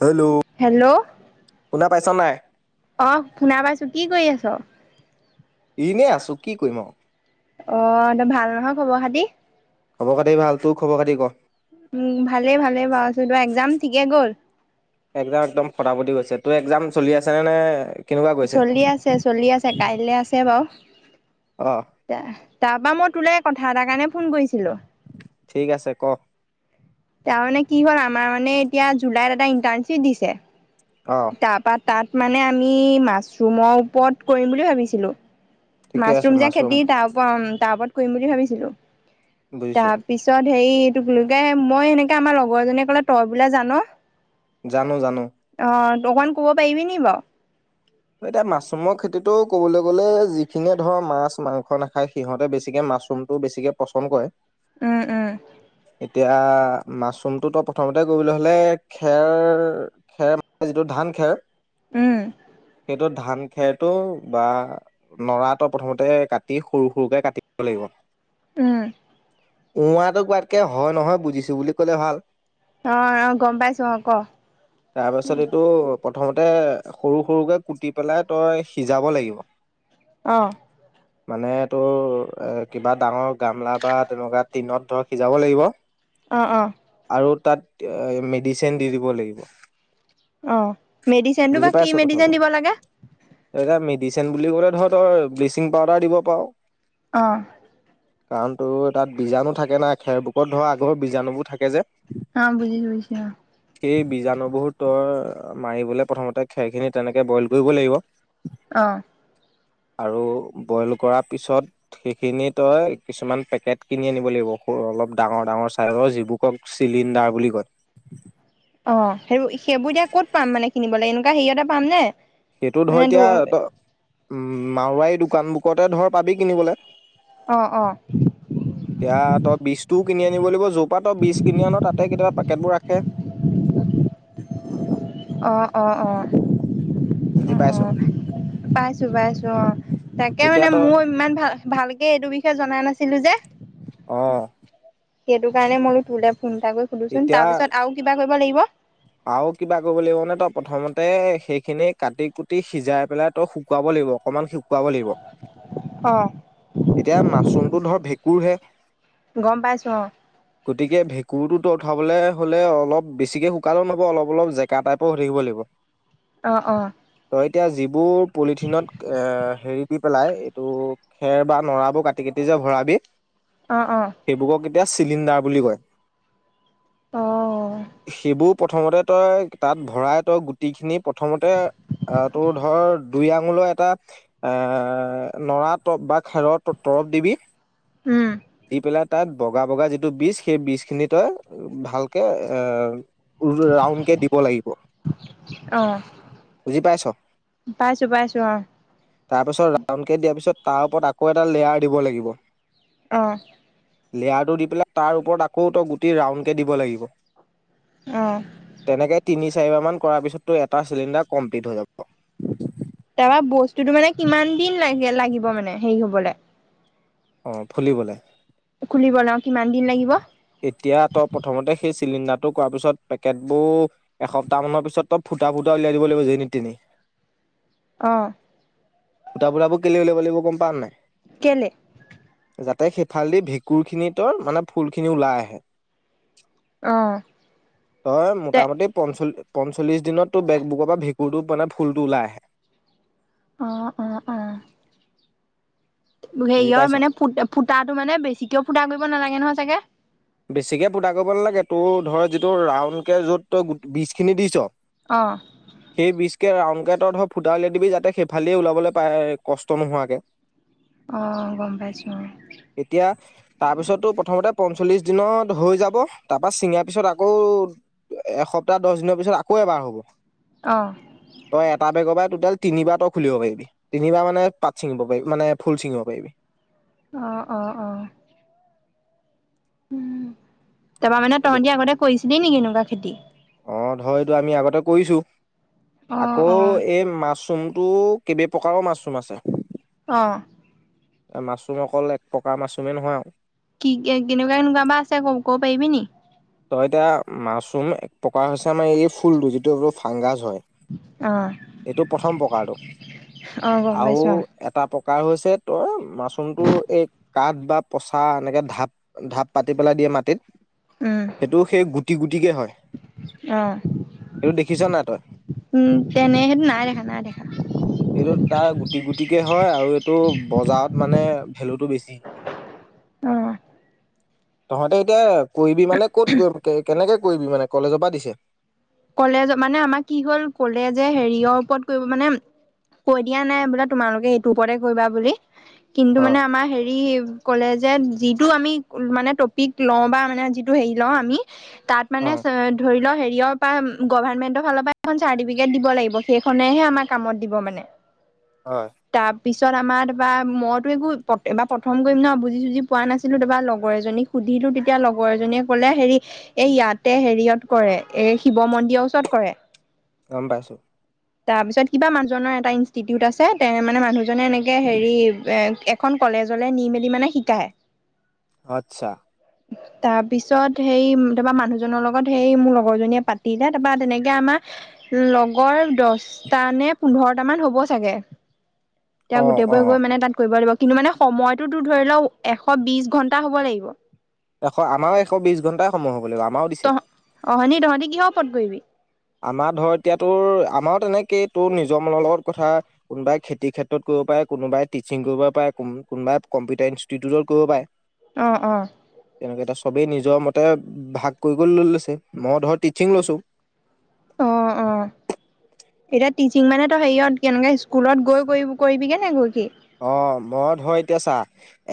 Hello কোনে পাইছা নাই অঁহ শুনা পাইছো কি কৰি আছ এনেই আছো কি কৰিম আৰু অঁ ভাল নহয় খবৰ খতি খবৰ খাতি ভাল তোক খবৰ খাতি ক উম ভালে ভালে বাৰু চবৰ একজাম ঠিকে গ'ল চেতিয়াৰ এক্জাম চলি আছে কাৰনে চলি আছে চলি আছে কাইলে আছে হয় বাৰু অ তাৰপা মই তোলে কথা এটা কাৰণে ফোন কৰিছিলোঁ ঠিক আছে ক তাৰমানে কি হ'ল আমাৰ মানে এতিয়া জুলাইত এটা ইন্টাৰ্শ্বিপ দিছে অ তাৰপাছত তাত মানে আমি মাছৰুমৰ ওপৰত কৰিম বুলি ভাবিছিলো ঠিকে আছে মাছৰুম যে খেতি তাৰপৰা আমি তাৰ ওপৰত কৰিম বুলি ভাবিছিলো বুজিছো তাৰপিছত হেৰি এইটো কি বুলি কয় মই সেনেকৈ আমাৰ লগৰজনীয়ে ক'লে তই বোলে জান জানো জানো অকনমান ক'ব পাৰিবি নি বাৰু ত এতিয়া মাছৰুমৰ খেতিটো ক'বলৈ গ'লে যিখিনিয়ে ধৰ মাছ মাংস নাখায় সিহঁতে বেছিকে মাছৰুমটো বেছিকে পচন্দ কৰে উম উম এতিয়া মাছৰুমটো তো প্ৰথমতে কৰিবলৈ হলে খেৰ খেৰ মানে যিটো ধান খেৰ উম সেইটো ধান খেৰটো বা নৰাটো প্ৰথমতে কাটি সৰু সৰুকে কাটিব লাগিব উম উম আঁ টো কোৱাতকে হয় নহয় বুজিছো বুলি কলে ভাল অঁ অঁ গম পাইছো অঁ ক তাৰপাছত এইটো প্ৰথমতে সৰু সৰুকৈ কুটি পেলাই তই সিজাব লাগিব অঁহ মানে তোৰ এ কিবা ডাঙৰ গামলা বা তেনেকুৱা টিনত ধৰক সিজাব লাগিব অ অ সেই তাত মেডিচিন দি দিব লাগিব অ মেডিচেনটো বা কি মেডিচেন দিব লাগে? এয়া মেডিচিন বুলি ক'লে ধৰ তৰ ব্লিচিং পাউদাৰ দিব পাৰ অ কাৰণ তোৰ তাত বীজাণু থাকে নাই খেৰপুকত ধৰা আগৰৰ বীজাণুবোৰ থাকে যে অ বুজিছো বুজিছো সেই বীজাণু বহুতৰ অ মাৰিবলে প্ৰথমতে খেৰ খিনি তেনেকে বইল কৰিব লাগিব আহ আৰু বইল কৰ পিছত সেইখিনি তই কিছুমান পেকেট কিনি আনিব লাগিব অলপ ডাঙৰ ডাঙৰ চাইজৰ যিবোৰ কক চিলিণ্ডাৰ বুলি কয় অ সেইবোৰ সেইবোৰ এতিয়া ক'ত পাম মানে কিনিবলৈ এনেকুৱা হেৰিয়তে পাম নে সেইটো ধৰ এতিয়া ত উ মাৰুৱাৰি দোকান বুকুত ধৰ পাবি কিনিবলৈ অহ অহ এতিয়া তই বীজটোও কিনি আনিব লাগিব জ অ বিশ কিনি আ তাতে কেতিয়াবা কেতবোৰ ৰাখে অ অ অ বুজি অ পাইছ পাইছো পাইছো অ তাকে এতিয়া মানে তই মোৰ ইমান ভাল ভালকে এইটো বিষয় এতিয়া জনা নাছিলোঁ যে অহ সেইটো কাৰণে মইয়ো তোলে ফোনটা কৰি সোধোচোন এতিয়া তাৰপিছত আৰু কিবা কৰিব লাগিব আৰু কিবা কৰিব লাগিব নে তই প্ৰথমতে সেইখিনি কাটি কুটি সিজাই পেলাই তই শুকুৱাব লাগিব অকনমান শুকুৱাব লাগিব অ এতিয়া মাছৰুমতটো ধৰ ভেকু কুৰহে গম পাইছোঁ অ গতিকে ভেঁকুৰটো তই উঠাবলৈ হ'লে অলপ বেছিকে শুকালো নহব অলপ অলপ জেকা টাইপৰ হৈ লাগিব অ অ তই এতিয়া যিবোৰ পলিথিনত এ হেৰি দি পেলাই এইটো খেৰ বা নৰাবোৰ কাটি কাটি যে ভৰাবি অ অ সেইবোৰক এতিয়া চিলিণ্ডাৰ বুলি কয় অ', সেইবোৰ প্ৰথমতে তই তাত ভৰাই তই গুটি খিনি প্ৰথমতে আহ তোৰ ধৰ দুই আঙলৈ এটা এ নৰা তৰপ বা খেৰৰ তৰপ দিবি উম, দি পেলাত তাত বগা বগা যিটো বীজ সেই বীজখিনি তই ভালকে এ ৰাউণ্ডকে দিব লাগিব অ', বুজি পাইছ পাইছো পাইছো অ', তাৰপিছত ৰাউণ্ডকে দিয়াৰ পিছত তাৰ ওপৰত আকৌ এটা লেয়াৰ দিব লাগিব আহঁ লেয়াৰটো দি পেলাই তাৰ ওপৰত আকৌ তই গোটেই ৰাউণ্ডকে দিব লাগিব অ', তেনেকে তিনি। চাৰিবাৰমান কৰাৰ পিছতটো এটা চিলিণ্ডাৰ কমপ্লিট হৈ যাব। তাৰপৰা বস্তুটো মানে কিমান দিন লাগে লাগিব মানে হেৰি হবলে। অ ফুলিবলে। খুলিবলে অ কিমান দিন লাগিব। এতিয়া তই প্ৰথমতে সেই চিলিণ্ডাৰটো কৰাৰ পিছত পেকেটবোৰ এসপ্তাহ মানৰ পিছত তই ফুটা ফুটা উলিয়াই দিব লাগিব যেনি তেনি অহ ফুটা ফুটাবোৰ কেলে উলিয়াব লাগিব গম পাৱ নে? কেলে যাতে সেইফাঁল দি ভেঁকুৰ খিনি ত মানে ফুল খিনি ওলাই আহে। অ', তই তে মোটামুটি পঞ্চল্লি পঞ্চল্লিশ দিনত তো বেগ বুকৰ পৰা ভেকুৰটো মানে ফুলটো ওলাই আহে। আহ অ আহ। বুজি হেৰিয়ৰ পাইছ মানে ফু ফুটাটো মানে বেছি। কিয় ফুটা কৰিব নালাগে নহয় চাগে। বেছিকে পুটা কৰিব নালাগে তোৰ ধৰ যিটো ৰাউণ্ডকে য'ত তই বিজখিনি দিছ। আহ ক ৰাউন কেটত ধৰ ফুটা উলাই দিবি যাতে সেইফালে ওলাবলৈ পায় কষ্ট নোহোৱাকে। অ', গম পাইছো এতিয়া তাৰপিছতো প্ৰথমতে প চল্লিশ দিনত হৈ যাব তাৰপা ছিঙাৰ পিছত আকৌ এসপ্তাহ দহ দিনৰ পিছত আকৌ এবাৰ হ'ব। অ', তই এটা বেগৰ বা টোটেল তিনিবাৰ তো খুলিব পাৰিবি তিনিবাৰ মানে পাত ছিঙিব পাৰিবি মানে ফুল ছিঙিব পাৰিবি। আহ অ অ। উম। তাৰা মানে এইটো তহঁতি কথা আগতে কৰিছিলি নিকি এনেকাকে খেতি অ ধৰ এইটো আমি আগতে কৰিছো। অ', আকৌ অ', এই মাচুম। তো কেইবে প্ৰকাৰৰ মাছৰুম আছে। আহঁ মাছৰুম অকল এক প্ৰকাৰ মাছৰুমেই নহয় আৰু কি কেনেকুৱা কেনেকুৱা বা আছে ক ক'ব পাৰিবি নি। তই এতিয়া মাছৰুম এক প্ৰকাৰ হৈছে আমাৰ এই ফুলটো যিটো এই ফাংগাছ হয়। অ', এইটো প্ৰথম প্ৰকাৰটো অ গম আৰু পাইছো অ এটা প্ৰকা প্ৰকাৰ হৈছে তই মাছৰুমটো এই কাঠ বা পচা এনেকে ঢাপ ঢাপ পাতি পেলাই দিয়ে মাটিত উম সেইটো সেই গুটি গুটিকে হয় অ সেইটো দেখিছ নাই তই উম তেনে সেইটো নাই দেখা নাই দেখা এইটো তাৰ গুটি গুটিকে হয় আৰু এইটো বজাৰত মানে ভেলুটো বেছি। অ তহঁতে এতিয়া। মানে ক'ত কেনেকে এই কি মানে কলেজৰ পৰা দিছে কলেজ মানে আমাৰ কি হ'ল কলেজে হেৰিয়ৰ ওপৰত কৰিব মানে কৈ দিয়া নাই বোলে তোমালোকে এইটোৰ ওপৰতে কৰিবা বুলি কিন্তু মানে হয় আমাৰ হেৰি ক'লে যে যিটো আমি মানে টপিক লওঁ, বা মানে, যিটো হেৰি লওঁ আমি তাত অ মানে চ ধৰি লও হেৰি দিয় তা উম উম গভৰামেণ্টৰ ফালৰ পৰা এখন চাৰ্টিফিকেট দিব লাগিব সেইখনেহে আমাৰ কামত দিব মানে হয় পিছত আমাৰ তাপা মইতো একো বা প্ৰথম কৰিম ন বুজি চুজি পোৱা নাছিলো তাৰপা লগৰ এজনীক সুধিলো তেতিয়া লগৰ এজনীয়ে ক'লে হেৰি এই ইয়াতে হেৰিয়ত কৰে এ শিৱ মন্দিৰৰ ওচৰত কৰে গম পাইছো। তাৰপিছত কিবা মানুহজনৰ এটা ইনষ্টিটিউট আছে তে মানে মানুহজনে এনেকে হেৰি এ এখন কলেজলে নি মেলি মানে শিকায় আচ্ছা তাৰ পিছত হেৰি, তোমাৰ মানুহজনৰ লগত হেৰি মোৰ লগৰ জনীয়ে পাত দিলে তাৰপা তেনেকে আমাৰ লগৰ দহটা নে পোন্ধৰটা মান হ'ব চাগে এতিয়া অ অ গোটেইবোৰ গৈ মানে তাত কৰিব লাগিব। কিন্তু মানে সময়টোতো ধৰি লও এশ বিশ ঘণ্টা হব লাগিব এশ আমাৰ অ এশ বিশ ঘণ্টাই সময় হ'ব বোলো আমাৰো দিছে অ‌ হয় নি তহঁতি কিহৰ ওৰত কৰিবি আমাৰ ধৰ এতিয়া তোৰ আমাৰো তেনেকেই তোৰ নিজৰ মনৰ লগত কথা, কোনোবাই খেতিৰ ক্ষেত্ৰত কৰিব পাৰে, কোনোবাই টিচিং কৰিব পাৰে, কোনোবাই কম্পিউটাৰ ইনষ্টিটিউটত কৰিব পাৰে অহ অহ তেনেকৈ এটা চবেই নিজৰ মতে ভাগ কৰি লৈ লৈছে মই ধৰ টিচিং লৈছোঁ অ অ এতিয়া টিচিং মানে তই হেৰিয়ত কেনেকে স্কুলত গৈ গৈ কৰিবিগে নে গৈ কি অ মই ধৰ এতিয়া চা,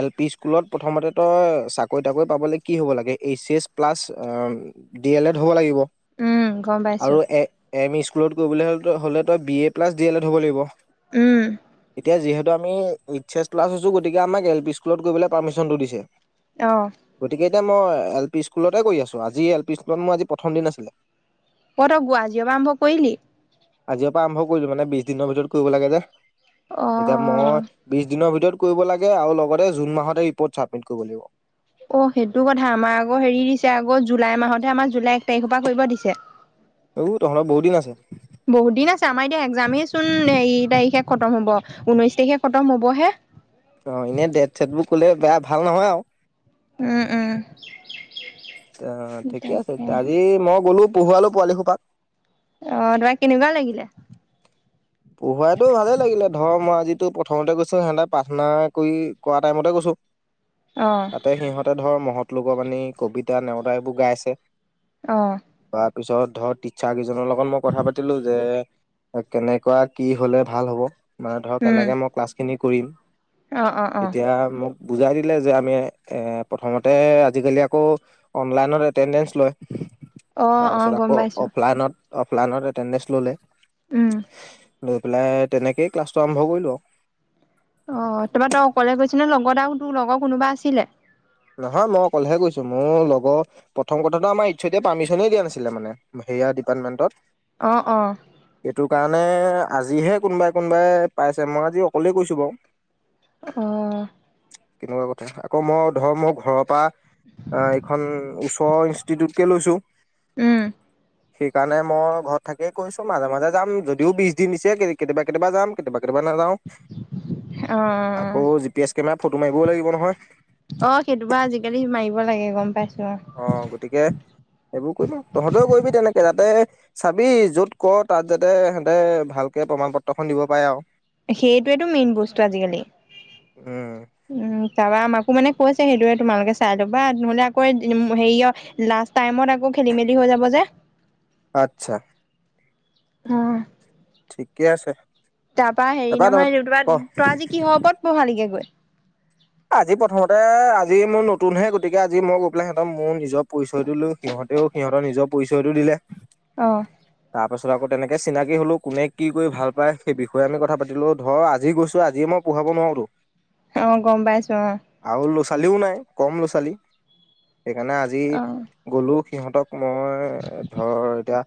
এল পি স্কুলত প্ৰথমতে তই চাকৰি তাকৰি পাবলৈ কি হ'ব লাগে? H S plus D L Ed হ'ব লাগিব। উম গম পাইছো আৰু এ এম ই স্কুল অ আপলোড কৰিবলে হ'লে, হ'লে তই, B A plus D L Ed হ'ব লাগিব। উম ক জিহত আম এইচ এছ প্লাছ গতিকে আমাক এপি স্কুলত কৰিবলে পাৰ্মিশনটো দিছে আহ গতিকে এতিয়া মই এল পি স্কুলতে কৰি আছো আজি এল পি স্কুলত মোৰ আজি প্ৰথম দিন আছিলে এই তোগু! আজিৰ পৰা আৰম্ভ কৰিলি? আজিৰ পৰা আৰম্ভ কৰিলো মানে বিশ দিনৰ ভিতৰত কৰিব লাগে যে অ এতিয়া মই বিশ দিনৰ ভিতৰত কৰিবলাগে আৰু লগতে জুন মাহতে ৰিপৰ্ট চাবমিট কৰিব লাগিব। অ সেইটো কথা আমাৰ আকৌ হেৰি দিছে আকৌ জুলাই মাহতহে আমাৰ জুলাই তাৰিখৰ পৰা কৰিব দিছে ও তহঁতৰ বহুত দিন আছে বহুত দিন আছে আমাৰ এতিয়া একজামেই চোন এই তাৰিখে খতম হব ঊনৈশ তাৰিখে খতম হবহে অ এনেই ডেট চেট বোৰ কলে বেয়া ভাল নহয় আৰু উম উম অ ঠিকে তাকে ত আজি মই গ'লো পোহোৱালো পোৱালিসোপাক আহ তোমাৰ কেনেকুৱা লাগিলে টো প্ৰথমতে গৈছো সিহঁতে প্ৰাৰ্থনা কৰি কৰা টাইমতে গৈছো অ', তাতে সিহঁতে ধৰ মহত লগৰ বানি কবিতা নেওতা এইবোৰ গাইছে আহ তাৰ পিছত ধৰ টিচাৰ কেইজনৰ লগত মই কথা পাতিলো যে কেনেক কৰা কি হলে ভাল হ'ব মানে ধৰা উম, কেনেকে মই ক্লাছখিনি কৰিম অ', অ', অ', তেতিয়া মোক বুজাই দিলে যে আমি প্ৰথমতে আজিকালি আকৌ অনলাইনত এটেণ্ডেঞ্চ লয় অ', অ', তাৰপিছত গম আকৌ পাইছোঁ, অফলাইনত অফলাইনত এটেণ্ডেচ ললে উম লৈ পেলাই তেনেকেই ক্লাছটো আৰম্ভ কৰিলো আৰু অ তমা তই অকলে কৈছ ন লগত আৰু তোৰ লগৰ কোনোবা আছিলে নহয় মই অকলেহে কৈছোঁ মোৰ লগৰ প্ৰথম কথাটো আমাৰ ইচ্ছতিয়া পাৰ্মিচনেই দিয়া নাছিলে মানে হেয়া ডিপাৰ্টমেণ্টত অ অ মানে আজিহে কোনোবাই কোনোবাই পাইছে মই আজি অকলেই কৈছো বাৰু আহ কেনেকুৱা কথা আকৌ মই ধৰ মোৰ ঘৰৰ পৰা আহ এইখন ওচৰৰ ইনষ্টিটিউটকে লৈছো উম, সেইকাৰণে মই ঘৰত থাকিয়ে কৈছো মাজে মাজে যাম যদিও বিছ দিন দিছে কেতিয়াবা কেতিয়াবা যাম কেতিয়াবা কেতিয়াবা নাযাওঁ অ', অ', আকৌ G P S camera photo মাৰিবই লাগিব নহয় অ সেইটো বা আজিকালি মাৰিব লাগে গম পাই অ গতিকে এইবোৰ কৰিব তহঁতেও কৰিবি তেনেকে যাতে চাবি য'ত ক তাত যাতে সিহতে ভালকে প্ৰমাণ পত্ৰ খন দিব পাৰে আৰু সেইটোয়েতটো মেইন বস্তু আজিকালি উম উম তপা আমাকো মানে কৈছে সেইটোয়ে তোমালোকে চাই লবা নহ'লে আকৌ হেৰিয় লাষ্ট টাইমত আক আকৌ খেলি মেলি হৈ যাব যে আচ্ছা আহ ঠিকে আছে তাৰপৰা হেৰি তহঁত নহয় তা ক তই আজি কিহ ওপৰত পঢ়ালিগে গৈ আজি প্ৰথমতে আজি মোৰ নতুনহে গতিকে আজি মই গৈ পেলাই সিহঁতক মোৰ নিজৰ পৰিচয়টো লো সিহঁতেও সিহঁতৰ নিজৰ পৰিচয়টো দিলে আঁহ তাৰপাছত আকৌ তেনেকে চিনাকি হলো কোনে কি কৰি ভাল পায় সেই বিষয়ে আমি কথা পাতিলোঁ ধৰক আজি গৈছোঁ আজিয়ে মই পঢ়াব নোৱাৰোতো অ গম পাইছো অ কালিও নাই কম ল'ৰা ছোৱালী। সেইকাৰণে আজি অ গলো সিহঁতক মই ধৰ এতিয়া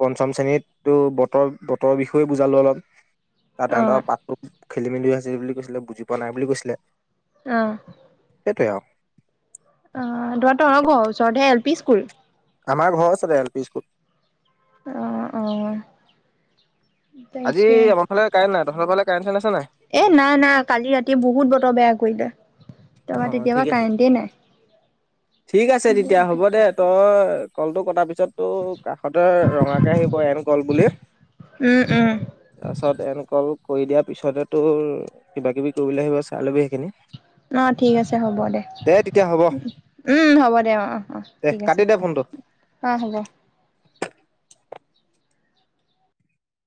পঞ্চম শ্ৰেণীতো বতৰ বতৰৰ বিষয়ে বুজালো অলপ ত অ অ তেহেতৰ পাঠতো খেলি মেলি আছে বুলি কৈছিলে বুজি পোৱা নাই বুলি কৈছিলে আহ। তাতে অ তহঁতৰ অ ঘৰ ওচৰতে এল পি স্কুল আমাৰ ঘৰ ওচৰতে এল পি স্কুল আহ আহ আজি আমাৰ ফালে কাৰেণ্ট নাই তহঁতৰ ফালে কাৰেন চাৰেন আছে নাই এ নাই নাই কালি ৰাতি বহুত বতৰ বেয়া কৰি দে তোমাৰ অঁ তেতিয়াৰ ঠিক পৰা আছে কাৰেণ্টে নাই ঠিক আছে তেতিয়া হ'ব দে তই কলটো কটা পি তাৰ পিছতো কাষতে ৰঙাকে আহিব এন কল বুলি উম উম তাৰপিছত এনকল কৰি দিয়াৰ পিছতে তো কিবা কিবি কৰিবলৈ আহিব চাই লবি সেইখিনি অ ঠিক আছে হব দে তেতিয়া হ'ব উম হব দে অ অ অ দে ঠিক আছে কাটি দে ফোনটো অ হ'ব